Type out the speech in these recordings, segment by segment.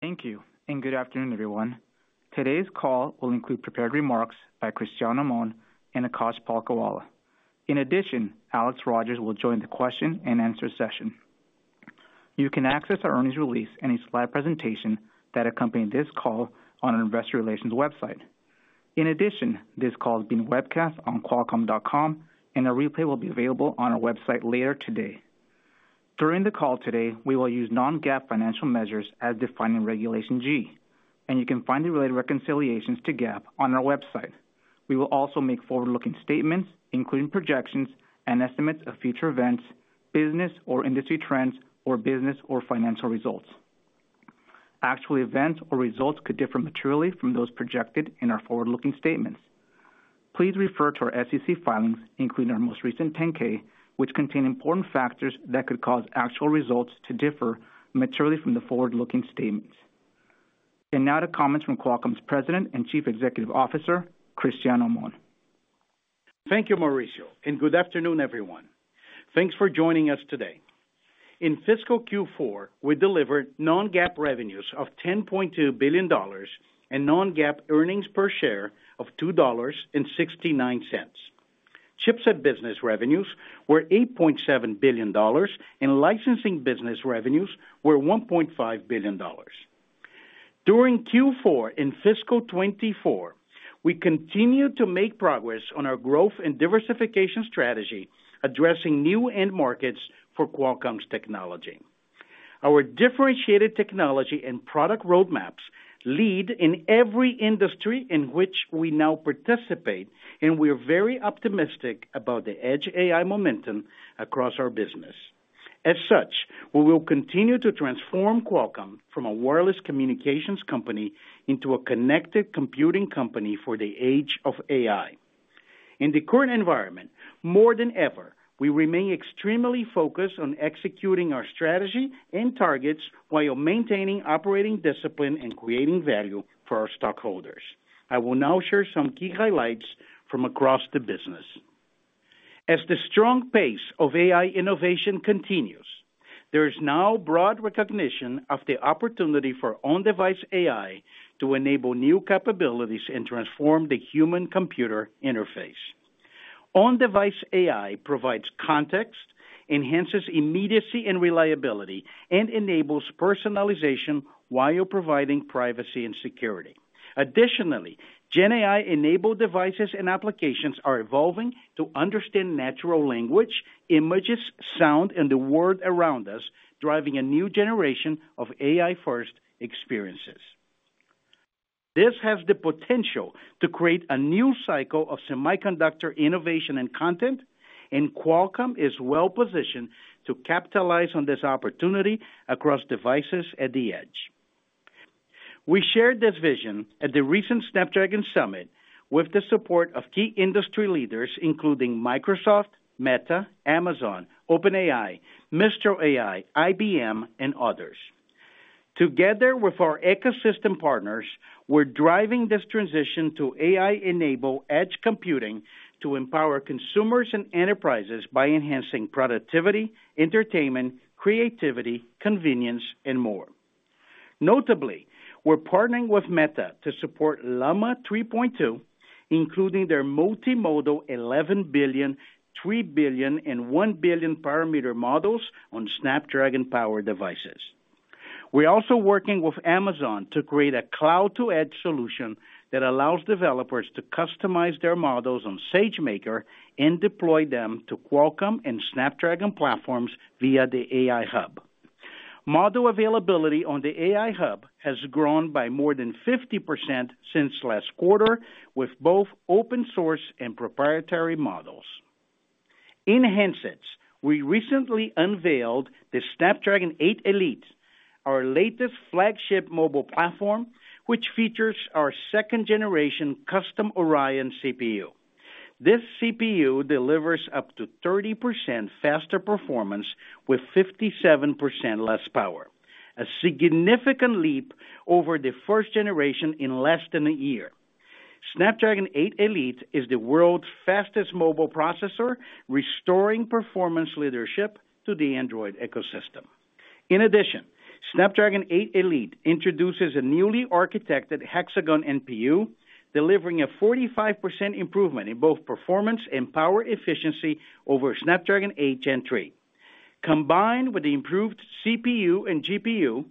Thank you, and good afternoon, everyone. Today's call will include prepared remarks by Cristiano Amon and Akash Palkhiwala. In addition, Alex Rogers will join the question-and-answer session. You can access our earnings release and a slide presentation that accompany this call on our investor relations website. In addition, this call is being webcast on Qualcomm.com, and a replay will be available on our website later today. During the call today, we will use non-GAAP financial measures as defined in Regulation G, and you can find the related reconciliations to GAAP on our website. We will also make forward-looking statements, including projections and estimates of future events, business or industry trends, or business or financial results. Actual events or results could differ materially from those projected in our forward-looking statements. Please refer to our SEC filings, including our most recent 10-K, which contain important factors that could cause actual results to differ materially from the forward-looking statements. And now to comments from Qualcomm's President and Chief Executive Officer, Cristiano Amon. Thank you, Mauricio, and good afternoon, everyone. Thanks for joining us today. In fiscal Q4, we delivered non-GAAP revenues of $10.2 billion and non-GAAP earnings per share of $2.69. Chipset business revenues were $8.7 billion, and licensing business revenues were $1.5 billion. During Q4 in fiscal 2024, we continued to make progress on our growth and diversification strategy, addressing new end markets for Qualcomm's technology. Our differentiated technology and product roadmaps lead in every industry in which we now participate, and we are very optimistic about the edge AI momentum across our business. As such, we will continue to transform Qualcomm from a wireless communications company into a connected computing company for the age of AI. In the current environment, more than ever, we remain extremely focused on executing our strategy and targets while maintaining operating discipline and creating value for our stockholders. I will now share some key highlights from across the business. As the strong pace of AI innovation continues, there is now broad recognition of the opportunity for on-device AI to enable new capabilities and transform the human-computer interface. On-device AI provides context, enhances immediacy and reliability, and enables personalization while providing privacy and security. Additionally, GenAI-enabled devices and applications are evolving to understand natural language, images, sound, and the world around us, driving a new generation of AI-first experiences. This has the potential to create a new cycle of semiconductor innovation and content, and Qualcomm is well-positioned to capitalize on this opportunity across devices at the edge. We shared this vision at the recent Snapdragon Summit with the support of key industry leaders, including Microsoft, Meta, Amazon, OpenAI, Mistral AI, IBM, and others. Together with our ecosystem partners, we're driving this transition to AI-enabled edge computing to empower consumers and enterprises by enhancing productivity, entertainment, creativity, convenience, and more. Notably, we're partnering with Meta to support Llama 3.2, including their multimodal 11 billion, three billion, and one billion parameter models on Snapdragon-powered devices. We're also working with Amazon to create a cloud-to-edge solution that allows developers to customize their models on SageMaker and deploy them to Qualcomm and Snapdragon platforms via the AI Hub. Model availability on the AI Hub has grown by more than 50% since last quarter, with both open-source and proprietary models. In handsets we recently unveiled the Snapdragon 8 Elite, our latest flagship mobile platform, which features our second-generation custom Oryon CPU. This CPU delivers up to 30% faster performance with 57% less power, a significant leap over the first generation in less than a year. Snapdragon 8 Elite is the world's fastest mobile processor, restoring performance leadership to the Android ecosystem. In addition, Snapdragon 8 Elite introduces a newly architected Hexagon NPU, delivering a 45% improvement in both performance and power efficiency over Snapdragon 8 Gen 3. Combined with the improved CPU and GPU,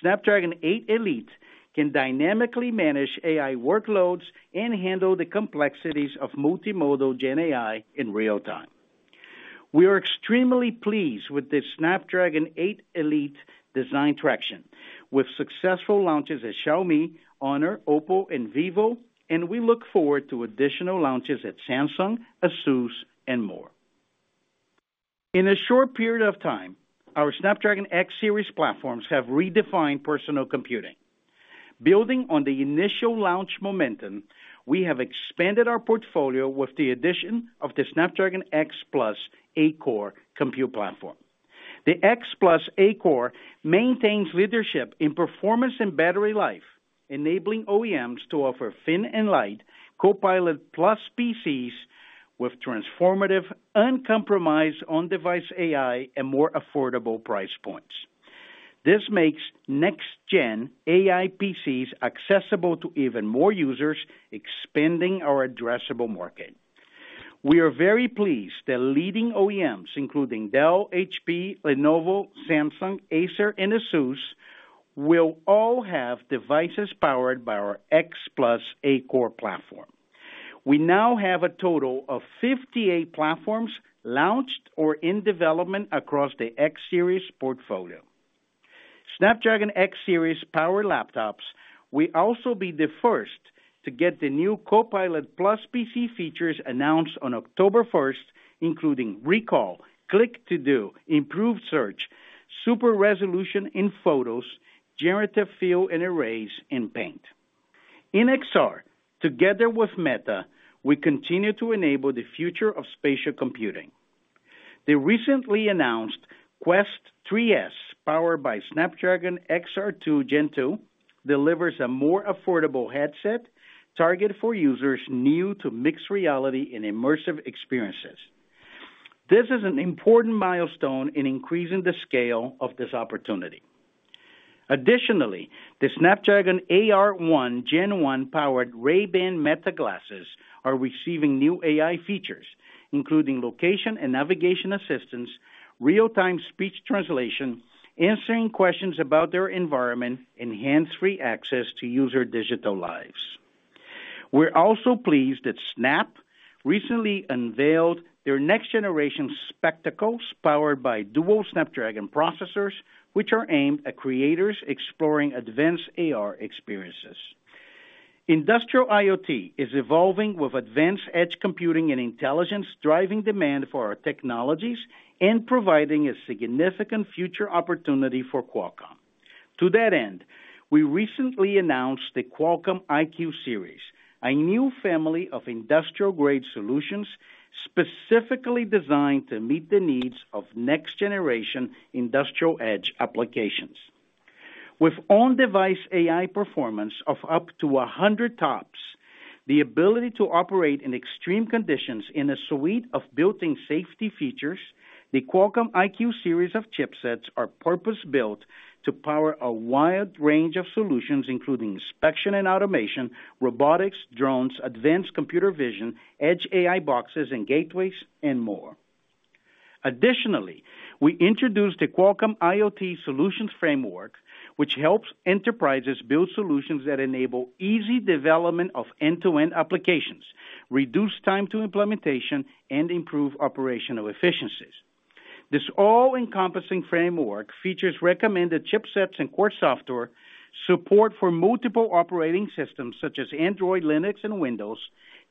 Snapdragon 8 Elite can dynamically manage AI workloads and handle the complexities of multimodal GenAI in real time. We are extremely pleased with the Snapdragon 8 Elite design traction, with successful launches at Xiaomi, Honor, OPPO, and Vivo, and we look forward to additional launches at Samsung, ASUS, and more. In a short period of time, our Snapdragon X series platforms have redefined personal computing. Building on the initial launch momentum, we have expanded our portfolio with the addition of the Snapdragon X Plus 8-core compute platform. The X Plus 8-core maintains leadership in performance and battery life, enabling OEMs to offer thin and light Copilot+ PCs with transformative, uncompromised on-device AI and more affordable price points. This makes next-gen AI PCs accessible to even more users, expanding our addressable market. We are very pleased that leading OEMs, including Dell, HP, Lenovo, Samsung, Acer, and ASUS, will all have devices powered by our X Plus 8-core platform. We now have a total of 58 platforms launched or in development across the X series portfolio. Snapdragon X series-powered laptops will also be the first to get the new Copilot+ PC features announced on October 1st, including Recall, Click-to-Do, Improved Search, Super Resolution in Photos, Generative Fill in Paint, and Paint. In XR, together with Meta, we continue to enable the future of spatial computing. The recently announced Quest 3S, powered by Snapdragon XR2 Gen 2, delivers a more affordable headset targeted for users new to mixed reality and immersive experiences. This is an important milestone in increasing the scale of this opportunity. Additionally, the Snapdragon AR1 Gen 1 powered Ray-Ban Meta glasses are receiving new AI features, including location and navigation assistance, real-time speech translation, answering questions about their environment, and hands-free access to user digital lives. We're also pleased that Snap recently unveiled their next-generation Spectacles powered by dual Snapdragon processors, which are aimed at creators exploring advanced AR experiences. Industrial IoT is evolving with advanced edge computing and intelligence, driving demand for our technologies and providing a significant future opportunity for Qualcomm. To that end, we recently announced the Qualcomm IQ series, a new family of industrial-grade solutions specifically designed to meet the needs of next-generation industrial edge applications. With on-device AI performance of up to 100 TOPS, the ability to operate in extreme conditions in a suite of built-in safety features, the Qualcomm IQ series of chipsets are purpose-built to power a wide range of solutions, including inspection and automation, robotics, drones, advanced computer vision, edge AI boxes and gateways, and more. Additionally, we introduced the Qualcomm IoT Solutions Framework, which helps enterprises build solutions that enable easy development of end-to-end applications, reduce time to implementation, and improve operational efficiencies. This all-encompassing framework features recommended chipsets and core software, support for multiple operating systems such as Android, Linux, and Windows,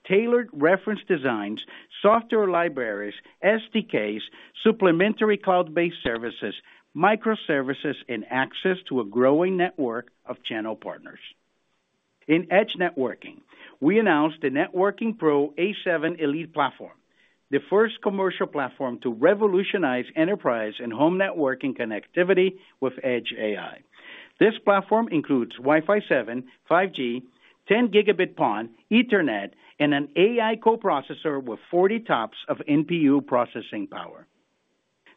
tailored reference designs, software libraries, SDKs, supplementary cloud-based services, microservices, and access to a growing network of channel partners. In edge networking, we announced the Networking Pro A7 Elite platform, the first commercial platform to revolutionize enterprise and home networking connectivity with edge AI. This platform includes Wi-Fi 7, 5G, 10-Gigabit PON, Ethernet, and an AI co-processor with 40 TOPS of NPU processing power.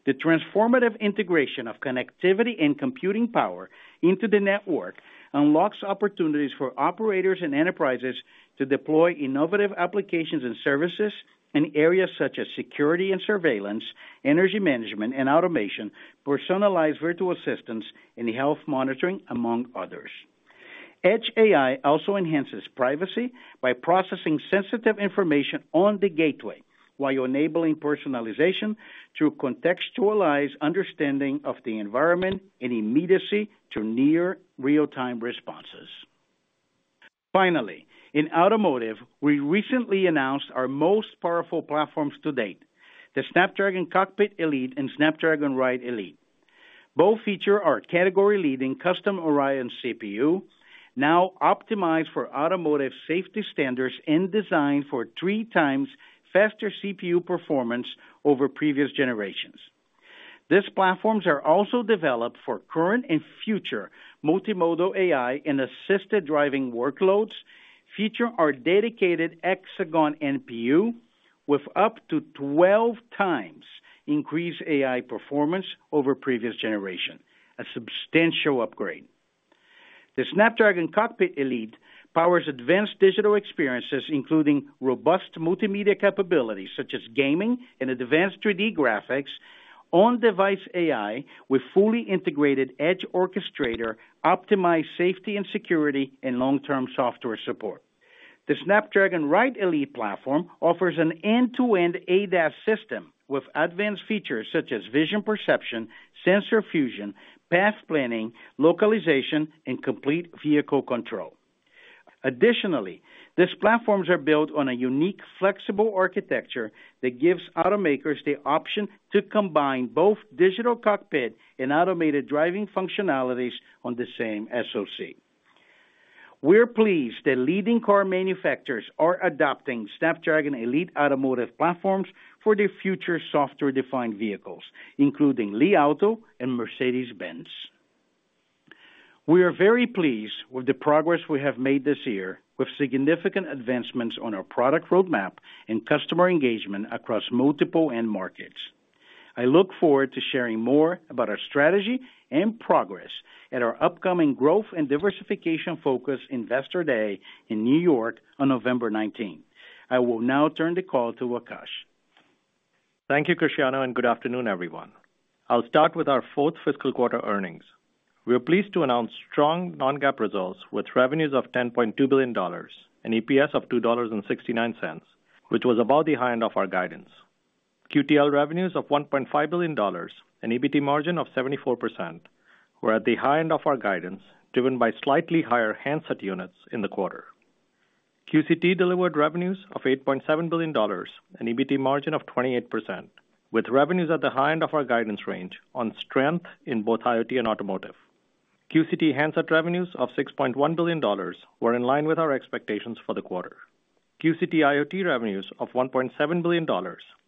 The transformative integration of connectivity and computing power into the network unlocks opportunities for operators and enterprises to deploy innovative applications and services in areas such as security and surveillance, energy management and automation, personalized virtual assistance, and health monitoring, among others. Edge AI also enhances privacy by processing sensitive information on the gateway while enabling personalization to contextualize understanding of the environment and immediacy to near real-time responses. Finally, in automotive, we recently announced our most powerful platforms to date, the Snapdragon Cockpit Elite and Snapdragon Ride Elite. Both feature our category-leading custom Oryon CPU, now optimized for automotive safety standards and designed for three times faster CPU performance over previous generations. These platforms are also developed for current and future multimodal AI and assisted driving workloads, feature our dedicated Hexagon NPU with up to 12 times increased AI performance over previous generations, a substantial upgrade. The Snapdragon Cockpit Elite powers advanced digital experiences, including robust multimedia capabilities such as gaming and advanced 3D graphics, on-device AI with fully integrated edge orchestrator, optimized safety and security, and long-term software support. The Snapdragon Ride Elite platform offers an end-to-end ADAS system with advanced features such as vision perception, sensor fusion, path planning, localization, and complete vehicle control. Additionally, these platforms are built on a unique flexible architecture that gives automakers the option to combine both digital cockpit and automated driving functionalities on the same SoC. We're pleased that leading car manufacturers are adopting Snapdragon Elite automotive platforms for their future software-defined vehicles, including Li Auto and Mercedes-Benz. We are very pleased with the progress we have made this year with significant advancements on our product roadmap and customer engagement across multiple end markets. I look forward to sharing more about our strategy and progress at our upcoming Growth and Diversification Focus Investor Day in New York on November 19th. I will now turn the call to Akash. Thank you, Cristiano, and good afternoon, everyone. I'll start with our fourth fiscal quarter earnings. We're pleased to announce strong non-GAAP results with revenues of $10.2 billion, an EPS of $2.69, which was above the high end of our guidance. QTL revenues of $1.5 billion, an EBITDA margin of 74%, were at the high end of our guidance, driven by slightly higher handset units in the quarter. QCT delivered revenues of $8.7 billion, an EBITDA margin of 28%, with revenues at the high end of our guidance range on strength in both IoT and automotive. QCT handset revenues of $6.1 billion were in line with our expectations for the quarter. QCT IoT revenues of $1.7 billion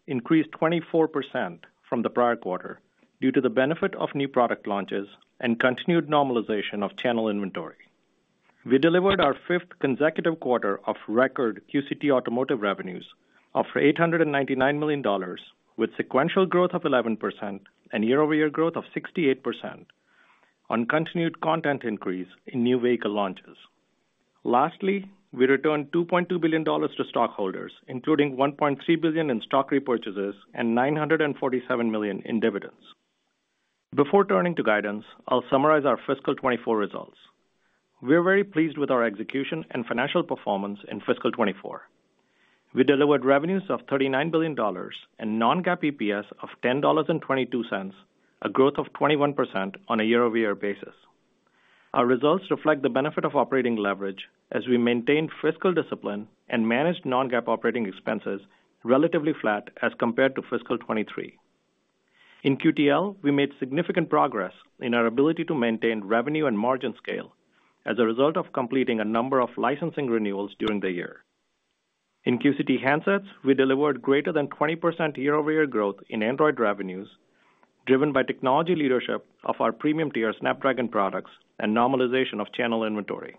increased 24% from the prior quarter due to the benefit of new product launches and continued normalization of channel inventory. We delivered our fifth consecutive quarter of record QCT automotive revenues of $899 million, with sequential growth of 11% and year-over-year growth of 68% on continued content increase in new vehicle launches. Lastly, we returned $2.2 billion to stockholders, including $1.3 billion in stock repurchases and $947 million in dividends. Before turning to guidance, I'll summarize our fiscal 2024 results. We're very pleased with our execution and financial performance in fiscal 2024. We delivered revenues of $39 billion and non-GAAP EPS of $10.22, a growth of 21% on a year-over-year basis. Our results reflect the benefit of operating leverage as we maintained fiscal discipline and managed non-GAAP operating expenses relatively flat as compared to fiscal 2023. In QTL, we made significant progress in our ability to maintain revenue and margin scale as a result of completing a number of licensing renewals during the year. In QCT handsets, we delivered greater than 20% year-over-year growth in Android revenues, driven by technology leadership of our premium-tier Snapdragon products and normalization of channel inventory.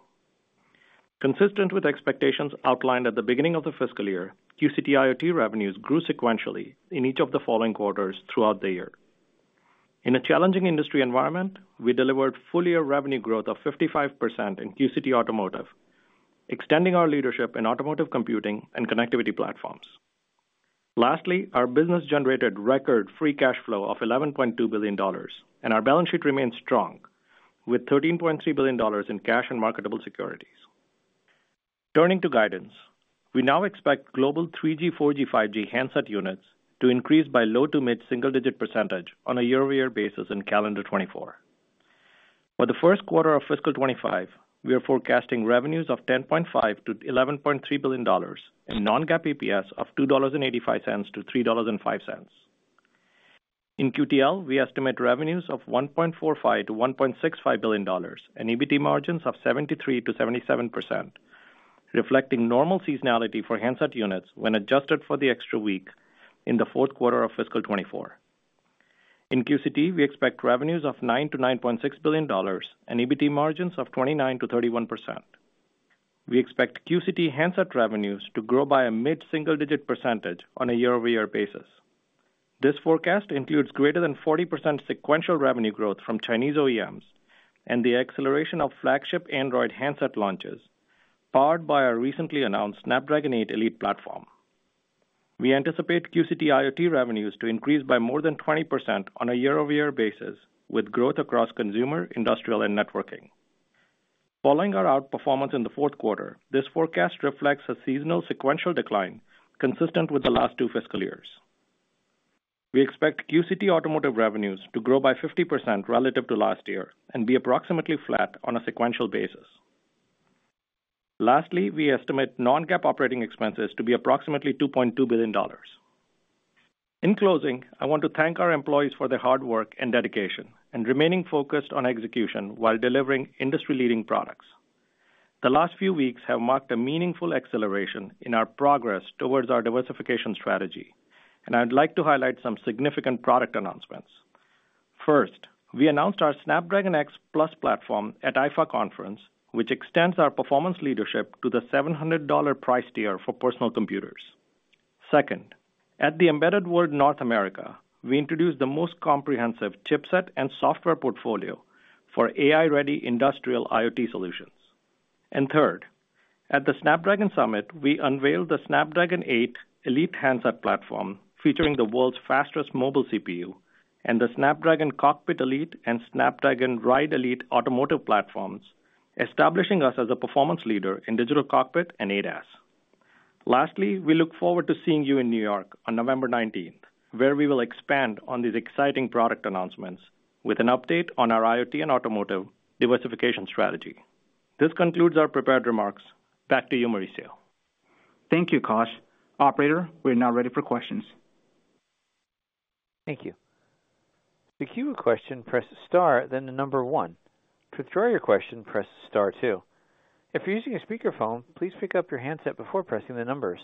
Consistent with expectations outlined at the beginning of the fiscal year, QCT IoT revenues grew sequentially in each of the following quarters throughout the year. In a challenging industry environment, we delivered full-year revenue growth of 55% in QCT automotive, extending our leadership in automotive computing and connectivity platforms. Lastly, our business generated record free cash flow of $11.2 billion, and our balance sheet remains strong with $13.3 billion in cash and marketable securities. Turning to guidance, we now expect global 3G, 4G, 5G handset units to increase by low to mid single-digit percentage on a year-over-year basis in calendar 2024. For the Q1 of fiscal 2025, we are forecasting revenues of $10.5-$11.3 billion and non-GAAP EPS of $2.85-$3.05. In QTL, we estimate revenues of $1.45-$1.65 billion and EBITDA margins of 73%-77%, reflecting normal seasonality for handset units when adjusted for the extra week in the Q4 of fiscal 2024. In QCT, we expect revenues of $9-$9.6 billion and EBITDA margins of 29%-31%. We expect QCT handset revenues to grow by a mid single-digit percentage on a year-over-year basis. This forecast includes greater than 40% sequential revenue growth from Chinese OEMs and the acceleration of flagship Android handset launches powered by our recently announced Snapdragon 8 Elite platform. We anticipate QCT IoT revenues to increase by more than 20% on a year-over-year basis with growth across consumer, industrial, and networking. Following our outperformance in the Q4, this forecast reflects a seasonal sequential decline consistent with the last two fiscal years. We expect QCT automotive revenues to grow by 50% relative to last year and be approximately flat on a sequential basis. Lastly, we estimate non-GAAP operating expenses to be approximately $2.2 billion. In closing, I want to thank our employees for their hard work and dedication and remaining focused on execution while delivering industry-leading products. The last few weeks have marked a meaningful acceleration in our progress towards our diversification strategy, and I'd like to highlight some significant product announcements. First, we announced our Snapdragon X Plus platform at IFA conference, which extends our performance leadership to the $700 price tier for personal computers. Second, at the Embedded World North America, we introduced the most comprehensive chipset and software portfolio for AI-ready industrial IoT solutions. And third, at the Snapdragon Summit, we unveiled the Snapdragon 8 Elite handset platform featuring the world's fastest mobile CPU and the Snapdragon Cockpit Elite and Snapdragon Ride Elite automotive platforms, establishing us as a performance leader in digital cockpit and ADAS. Lastly, we look forward to seeing you in New York on November 19th, where we will expand on these exciting product announcements with an update on our IoT and automotive diversification strategy. This concludes our prepared remarks. Back to you, Mauricio. Thank you, Akash. Operator, we're now ready for questions. Thank you. If you have a question, press Star, then the number one. To withdraw your question, press Star two. If you're using a speakerphone, please pick up your handset before pressing the numbers.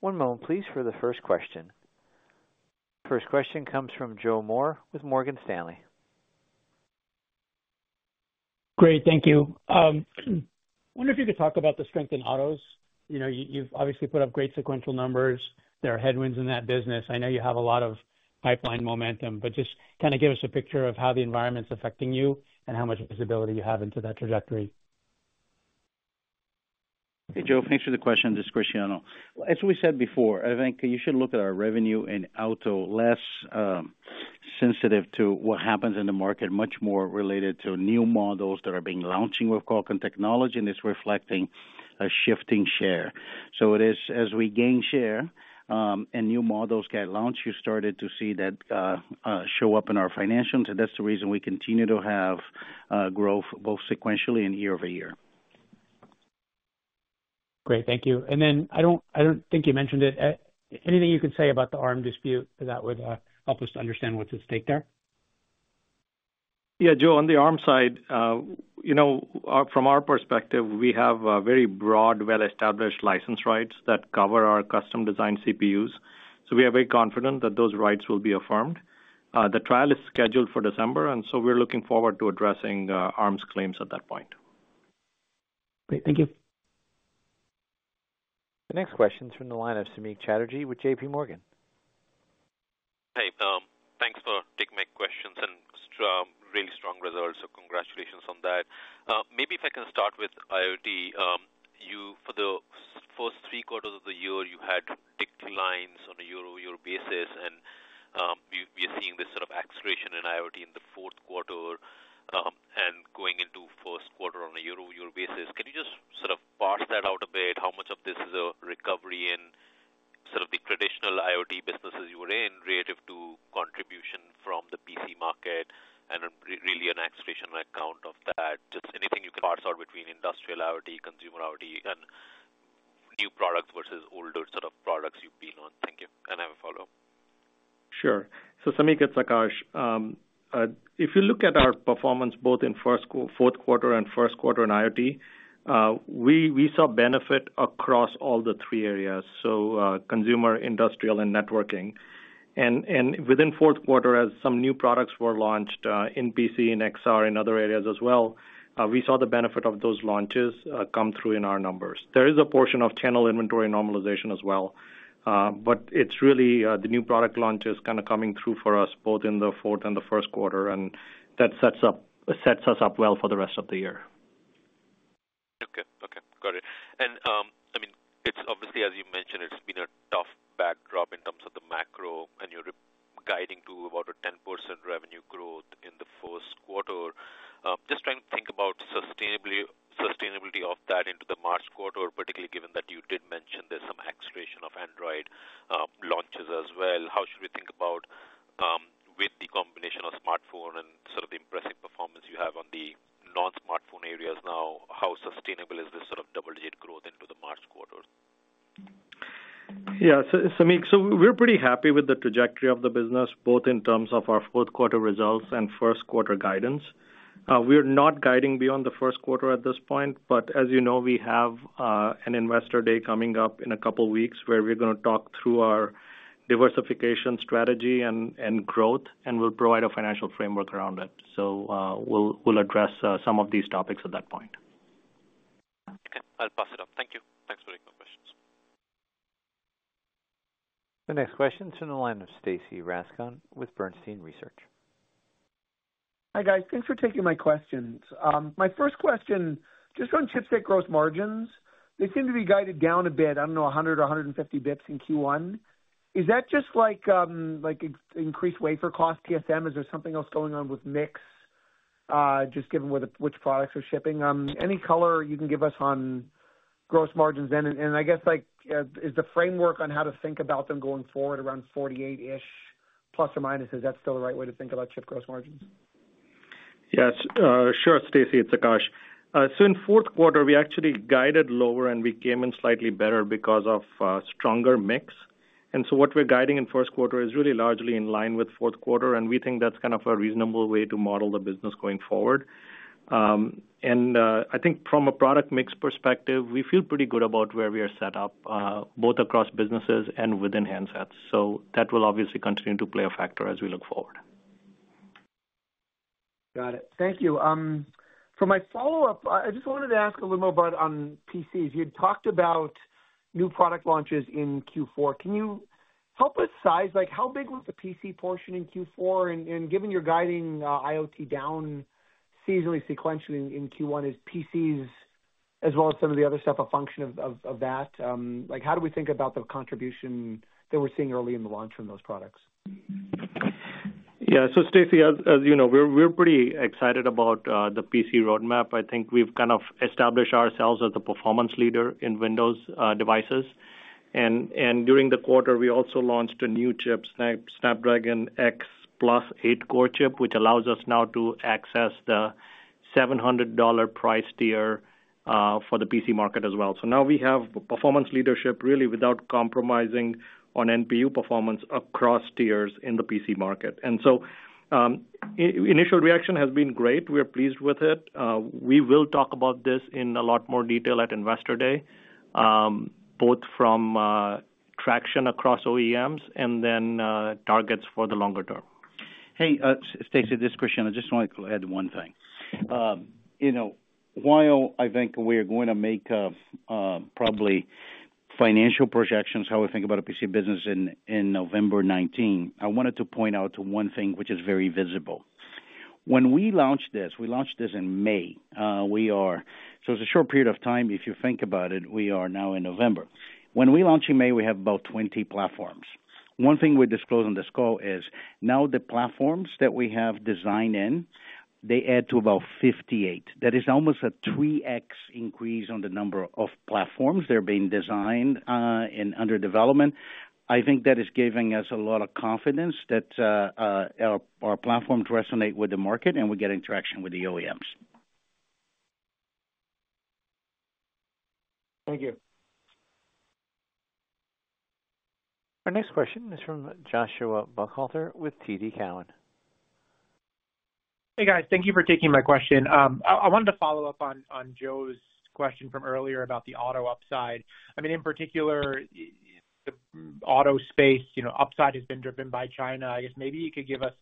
One moment, please, for the first question. First question comes from Joe Moore with Morgan Stanley. Great, thank you. I wonder if you could talk about the strength in autos. You've obviously put up great sequential numbers. There are headwinds in that business. I know you have a lot of pipeline momentum, but just kind of give us a picture of how the environment's affecting you and how much visibility you have into that trajectory. Hey, Joe, thanks for the question. This is Cristiano. As we said before, I think you should look at our revenue in auto less sensitive to what happens in the market, much more related to new models that are being launched with Qualcomm technology, and it's reflecting a shifting share, so it is, as we gain share and new models get launched, you started to see that show up in our financials, and that's the reason we continue to have growth both sequentially and year-over-year. Great, thank you. Then I don't think you mentioned it. Anything you can say about the ARM dispute that would help us to understand what's at stake there? Yeah, Joe, on the ARM side, from our perspective, we have very broad, well-established license rights that cover our custom-designed CPUs. So we are very confident that those rights will be affirmed. The trial is scheduled for December, and so we're looking forward to addressing ARM's claims at that point. Great, thank you. The next question's from the line of Samik Chatterjee with JPMorgan. Hey, thanks for taking my questions and really strong results, so congratulations on that. Maybe if I can start with IoT. For the first three quarters of the year, you had big declines on a year-over-year basis, and we're seeing this sort of acceleration in IoT in the Q4 and going into Q1 on a year-over-year basis. Can you just sort of parse that out a bit? How much of this is a recovery in sort of the traditional IoT businesses you were in relative to contribution from the PC market and really an acceleration account of that? Just anything you can parse out between industrial IoT, consumer IoT, and new products versus older sort of products you've been on. Thank you. And I have a follow-up. Sure. So Samik gets Akash. If you look at our performance both in Q4 and Q1 in IoT, we saw benefit across all the three areas, so consumer, industrial, and networking. And within Q4, as some new products were launched in PC and XR and other areas as well, we saw the benefit of those launches come through in our numbers. There is a portion of channel inventory normalization as well, but it's really the new product launches kind of coming through for us both in the fourth and the Q1, and that sets us up well for the rest of the year. Okay, okay. Got it. I mean, it's obviously, as you mentioned, it's been a tough backdrop in terms of the macro, and you're guiding to about 10% revenue growth in the Q1. Just trying to think about sustainability of that into the March quarter, particularly given that you did mention there's some acceleration of Android launches as well. How should we think about with the combination of smartphone and sort of the impressive performance you have on the non-smartphone areas now? How sustainable is this sort of double-digit growth into the March quarter? Yeah, Samik, so we're pretty happy with the trajectory of the business both in terms of our Q4 results and Q1 guidance. We are not guiding beyond the Q1 at this point, but as you know, we have an investor day coming up in a couple of weeks where we're going to talk through our diversification strategy and growth, and we'll provide a financial framework around it. So we'll address some of these topics at that point. Okay, I'll pass it off. Thank you. Thanks for the questions. The next question's from the line of Stacy Rasgon with Bernstein Research. Hi guys, thanks for taking my questions. My first question, just on chipset gross margins, they seem to be guided down a bit, I don't know, 100 or 150 basis points in Q1. Is that just like increased wafer cost TSM? Is there something else going on with mix just given which products are shipping? Any color you can give us on gross margins then? And I guess, is the framework on how to think about them going forward around 48-ish plus or minus? Is that still the right way to think about chip gross margins? Yes. Sure, Stacy, it's Akash. So in Q4, we actually guided lower, and we came in slightly better because of stronger mix. And so what we're guiding in Q1 is really largely in line with Q4, and we think that's kind of a reasonable way to model the business going forward. And I think from a product mix perspective, we feel pretty good about where we are set up both across businesses and within handsets. So that will obviously continue to play a factor as we look forward. Got it. Thank you. For my follow-up, I just wanted to ask a little more about on PCs. You had talked about new product launches in Q4. Can you help us size? How big was the PC portion in Q4? And given you're guiding IoT down seasonally sequentially in Q1, is PCs as well as some of the other stuff a function of that? How do we think about the contribution that we're seeing early in the launch from those products? Yeah, so Stacy, as you know, we're pretty excited about the PC roadmap. I think we've kind of established ourselves as the performance leader in Windows devices. And during the quarter, we also launched a new chip, Snapdragon X Plus 8-core chip, which allows us now to access the $700 price tier for the PC market as well. So now we have performance leadership really without compromising on NPU performance across tiers in the PC market. And so initial reaction has been great. We're pleased with it. We will talk about this in a lot more detail at investor day, both from traction across OEMs and then targets for the longer term. Hey, Stacy, this is Cristiano. I just want to add one thing. While I think we're going to make probably financial projections how we think about a PC business in November 19, I wanted to point out one thing which is very visible. When we launched this, we launched this in May. So it's a short period of time. If you think about it, we are now in November. When we launched in May, we had about 20 platforms. One thing we disclose on this call is now the platforms that we have designed in, they add to about 58. That is almost a 3x increase on the number of platforms that are being designed and under development. I think that is giving us a lot of confidence that our platforms resonate with the market and we're getting traction with the OEMs. Thank you. Our next question is from Joshua Buchalter with TD Cowen. Hey guys, thank you for taking my question. I wanted to follow up on Joe's question from earlier about the auto upside. I mean, in particular, the auto space upside has been driven by China. I guess maybe you could give us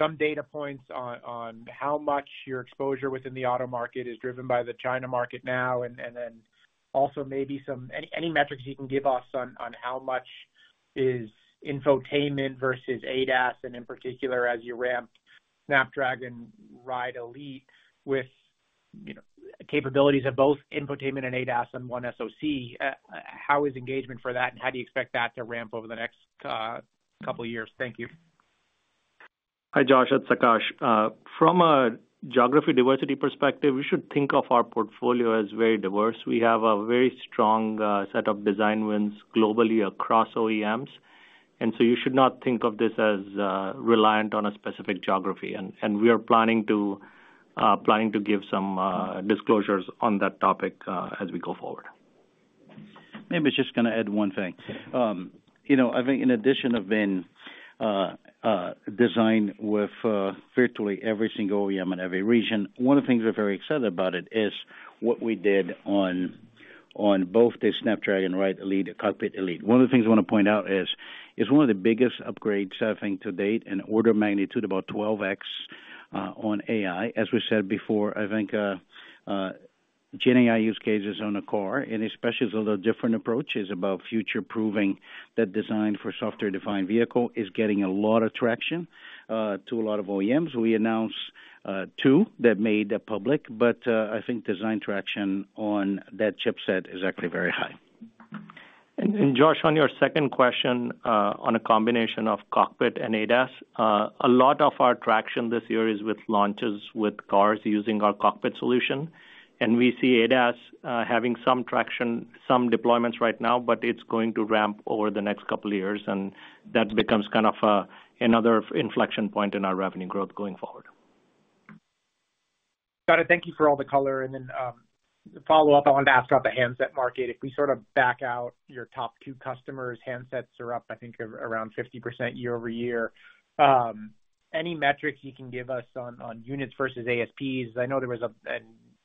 some data points on how much your exposure within the auto market is driven by the China market now, and then also maybe any metrics you can give us on how much is infotainment versus ADAS, and in particular, as you ramp Snapdragon Ride Elite with capabilities of both infotainment and ADAS on one SoC, how is engagement for that, and how do you expect that to ramp over the next couple of years? Thank you. Hi Josh, it's Akash. From a geography diversity perspective, we should think of our portfolio as very diverse. We have a very strong set of design wins globally across OEMs, and so you should not think of this as reliant on a specific geography. And we are planning to give some disclosures on that topic as we go forward. Maybe just going to add one thing. I think in addition to being designed with virtually every single OEM in every region, one of the things we're very excited about is what we did on both the Snapdragon Ride Elite and Snapdragon Cockpit Elite. One of the things I want to point out is one of the biggest upgrades I think to date in order of magnitude about 12x on AI. As we said before, I think Gen AI use cases on a car, and especially through the different approach is about future-proofing that design for software-defined vehicle is getting a lot of traction with a lot of OEMs. We announced two that made public, but I think design traction on that chipset is actually very high. Josh, on your second question on a combination of cockpit and ADAS, a lot of our traction this year is with launches with cars using our cockpit solution. And we see ADAS having some traction, some deployments right now, but it's going to ramp over the next couple of years, and that becomes kind of another inflection point in our revenue growth going forward. Got it. Thank you for all the color. And then follow-up, I wanted to ask about the handset market. If we sort of back out your top two customers, handsets are up, I think, around 50% year over year. Any metrics you can give us on units versus ASPs? I know there was an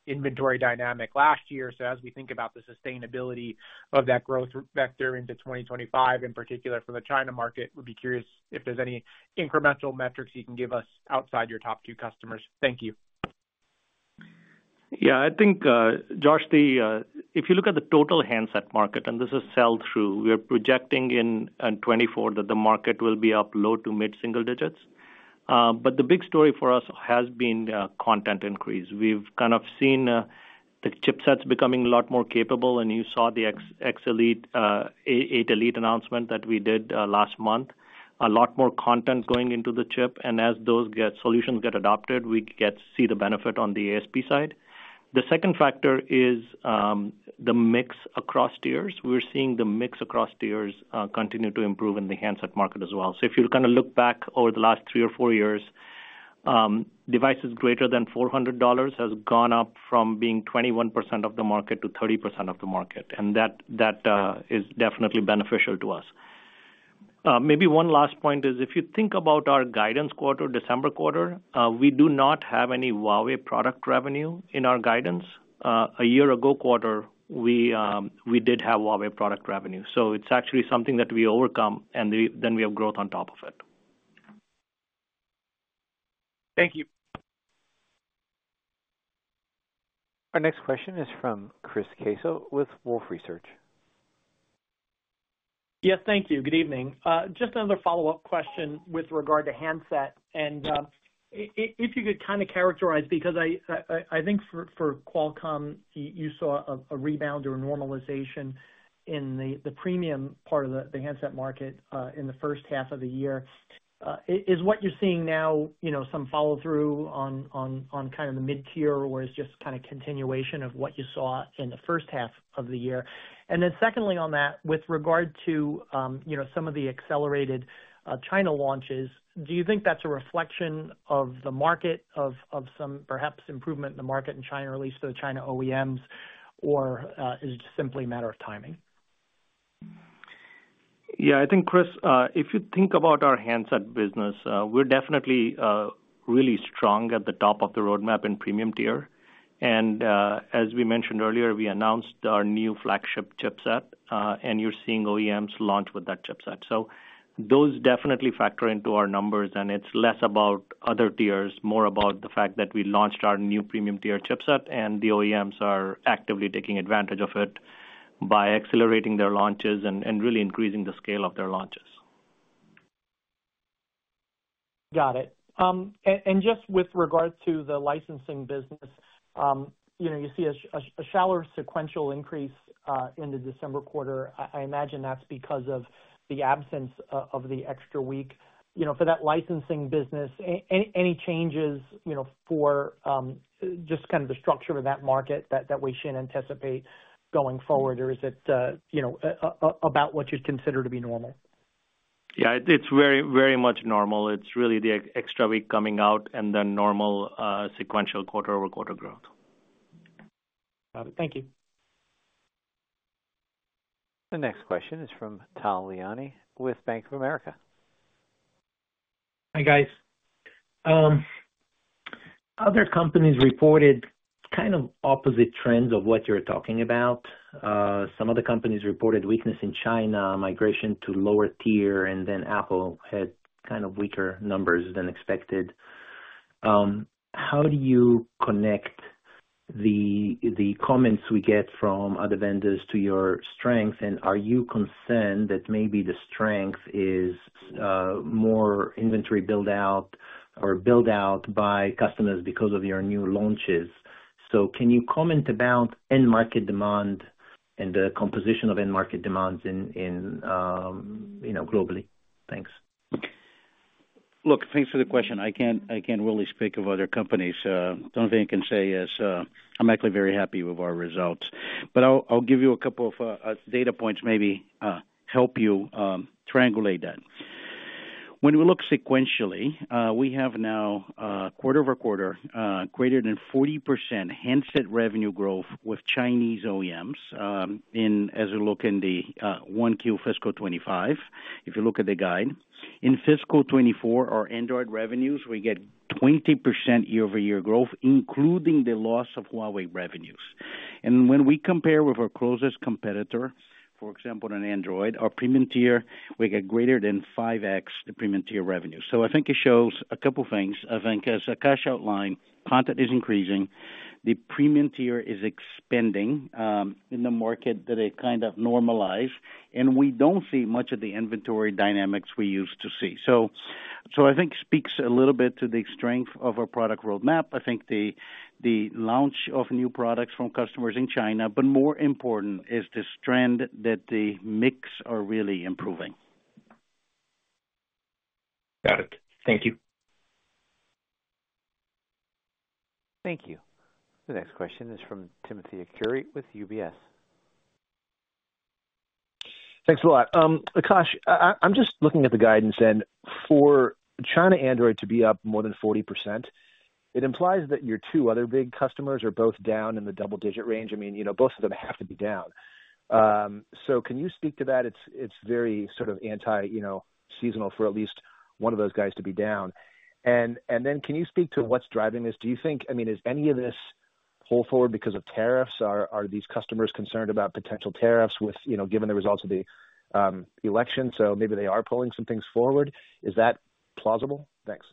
inventory dynamic last year, so as we think about the sustainability of that growth vector into 2025, in particular for the China market, would be curious if there's any incremental metrics you can give us outside your top two customers. Thank you. Yeah, I think, Josh, if you look at the total handset market, and this is sell-through, we are projecting in 2024 that the market will be up low to mid-single digits. But the big story for us has been content increase. We've kind of seen the chipsets becoming a lot more capable, and you saw the X Elite, 8 Elite announcement that we did last month, a lot more content going into the chip. And as those solutions get adopted, we see the benefit on the ASP side. The second factor is the mix across tiers. We're seeing the mix across tiers continue to improve in the handset market as well. So if you kind of look back over the last three or four years, devices greater than $400 has gone up from being 21% of the market to 30% of the market, and that is definitely beneficial to us. Maybe one last point is if you think about our guidance quarter, December quarter, we do not have any Huawei product revenue in our guidance. A year ago quarter, we did have Huawei product revenue. So it's actually something that we overcome, and then we have growth on top of it. Thank you. Our next question is from Chris Caso with Wolfe Research. Yes, thank you. Good evening. Just another follow-up question with regard to handset, and if you could kind of characterize, because I think for Qualcomm, you saw a rebound or normalization in the premium part of the handset market in the H1 of the year. Is what you're seeing now some follow-through on kind of the mid-tier or is just kind of continuation of what you saw in the H1 of the year? And then secondly on that, with regard to some of the accelerated China launches, do you think that's a reflection of the market, of some perhaps improvement in the market in China, at least for the China OEMs, or is it just simply a matter of timing? Yeah, I think, Chris, if you think about our handset business, we're definitely really strong at the top of the roadmap in premium tier. And as we mentioned earlier, we announced our new flagship chipset, and you're seeing OEMs launch with that chipset. So those definitely factor into our numbers, and it's less about other tiers, more about the fact that we launched our new premium tier chipset, and the OEMs are actively taking advantage of it by accelerating their launches and really increasing the scale of their launches. Got it. And just with regard to the licensing business, you see a shallow sequential increase in the December quarter. I imagine that's because of the absence of the extra week. For that licensing business, any changes for just kind of the structure of that market that we shouldn't anticipate going forward, or is it about what you'd consider to be normal? Yeah, it's very, very much normal. It's really the extra week coming out and then normal sequential quarter-over-quarter growth. Got it. Thank you. The next question is from Tal Liani with Bank of America. Hi guys. Other companies reported kind of opposite trends of what you're talking about. Some of the companies reported weakness in China, migration to lower tier, and then Apple had kind of weaker numbers than expected. How do you connect the comments we get from other vendors to your strengths, and are you concerned that maybe the strength is more inventory build-out or build-out by customers because of your new launches? So can you comment about end market demand and the composition of end market demands globally? Thanks. Look, thanks for the question. I can't really speak of other companies. The only thing I can say is I'm actually very happy with our results. But I'll give you a couple of data points maybe to help you triangulate that. When we look sequentially, we have now quarter-over-quarter greater than 40% handset revenue growth with Chinese OEMs as we look in the 1Q fiscal 2025. If you look at the guide, in fiscal 2024, our Android revenues, we get 20% year-over-year growth, including the loss of Huawei revenues. And when we compare with our closest competitor, for example, in Android, our premium tier, we get greater than 5x the premium tier revenue. So I think it shows a couple of things. I think, as Akash outlined, content is increasing. The premium tier is expanding in the market that it kind of normalized, and we don't see much of the inventory dynamics we used to see. So I think it speaks a little bit to the strength of our product roadmap. I think the launch of new products from customers in China, but more important is the strength that the mix are really improving. Got it. Thank you. Thank you. The next question is from Timothy Arcuri with UBS. Thanks a lot. Akash, I'm just looking at the guidance, and for China Android to be up more than 40%, it implies that your two other big customers are both down in the double-digit range. I mean, both of them have to be down. So can you speak to that? It's very sort of anti-seasonal for at least one of those guys to be down. And then can you speak to what's driving this? Do you think, I mean, is any of this pull forward because of tariffs? Are these customers concerned about potential tariffs given the results of the election? So maybe they are pulling some things forward. Is that plausible? Thanks.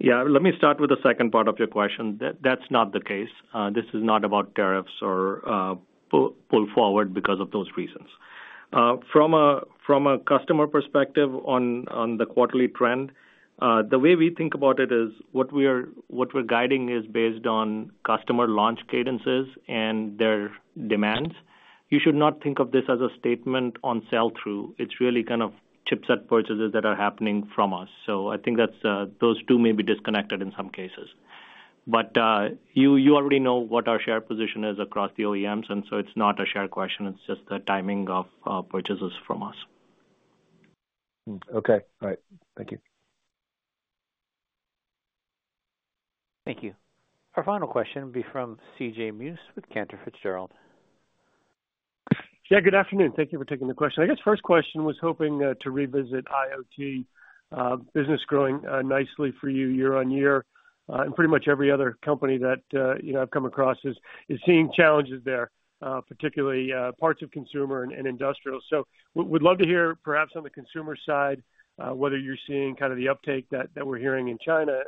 Yeah, let me start with the second part of your question. That's not the case. This is not about tariffs or pull forward because of those reasons. From a customer perspective on the quarterly trend, the way we think about it is what we're guiding is based on customer launch cadences and their demands. You should not think of this as a statement on sell-through. It's really kind of chipset purchases that are happening from us. So I think those two may be disconnected in some cases. But you already know what our share position is across the OEMs, and so it's not a share question. It's just the timing of purchases from us. Okay. All right. Thank you. Thank you. Our final question will be from C.J. Muse with Cantor Fitzgerald. Yeah, good afternoon. Thank you for taking the question. I guess first question was hoping to revisit IoT business growing nicely for you year on year. Pretty much every other company that I've come across is seeing challenges there, particularly parts of consumer and industrial. We'd love to hear perhaps on the consumer side whether you're seeing kind of the uptake that we're hearing in China,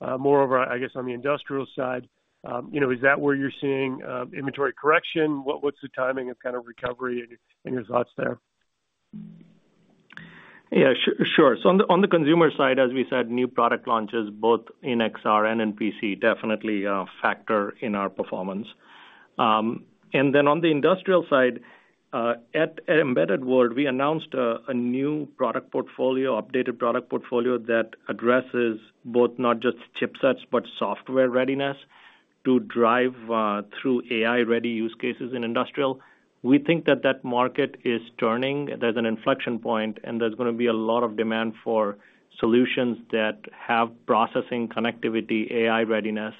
and then moreover, I guess, on the industrial side, is that where you're seeing inventory correction? What's the timing of kind of recovery and your thoughts there? Yeah, sure. On the consumer side, as we said, new product launches, both in XR and in PC, definitely factor in our performance. On the industrial side, at Embedded World, we announced a new product portfolio, updated product portfolio that addresses both not just chipsets but software readiness to drive through AI-ready use cases in industrial. We think that that market is turning. There's an inflection point, and there's going to be a lot of demand for solutions that have processing connectivity, AI readiness.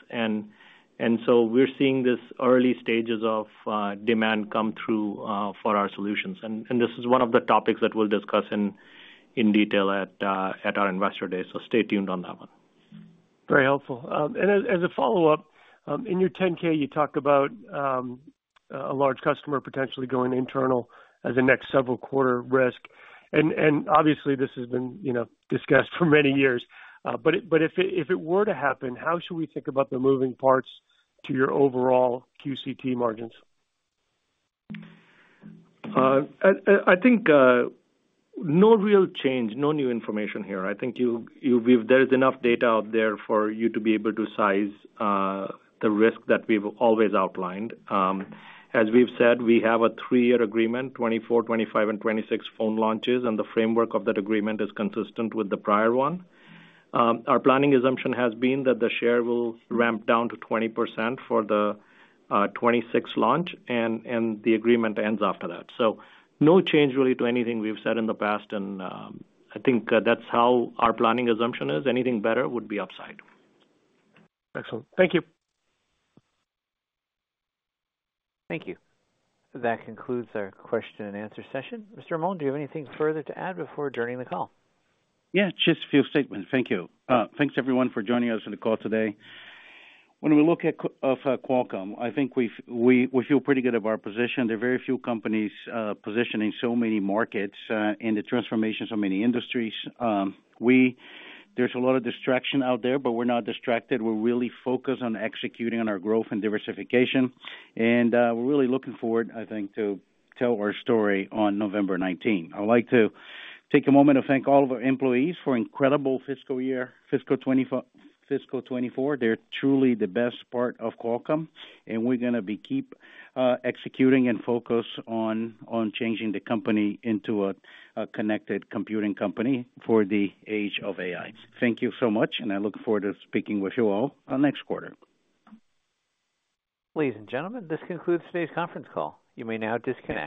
We're seeing these early stages of demand come through for our solutions. This is one of the topics that we'll discuss in detail at our investor day. Stay tuned on that one. Very helpful. As a follow-up, in your 10-K, you talked about a large customer potentially going internal as a next several quarter risk. Obviously, this has been discussed for many years. If it were to happen, how should we think about the moving parts to your overall QCT margins? I think no real change, no new information here. I think there is enough data out there for you to be able to size the risk that we've always outlined. As we've said, we have a three-year agreement, 2024, 2025, and 2026 phone launches, and the framework of that agreement is consistent with the prior one. Our planning assumption has been that the share will ramp down to 20% for the 2026 launch, and the agreement ends after that. So no change really to anything we've said in the past, and I think that's how our planning assumption is. Anything better would be upside. Excellent. Thank you. Thank you. That concludes our question and answer session. Mr. Mollenkopf, do you have anything further to add before adjourning the call? Yeah, just a few statements. Thank you. Thanks, everyone, for joining us in the call today. When we look at Qualcomm, I think we feel pretty good about our position. There are very few companies positioning so many markets and the transformation of so many industries. There's a lot of distraction out there, but we're not distracted. We're really focused on executing on our growth and diversification. And we're really looking forward, I think, to tell our story on November 19. I'd like to take a moment to thank all of our employees for an incredible fiscal year, fiscal 2024. They're truly the best part of Qualcomm, and we're going to keep executing and focus on changing the company into a connected computing company for the age of AI. Thank you so much, and I look forward to speaking with you all next quarter. Ladies and gentlemen, this concludes today's conference call. You may now disconnect.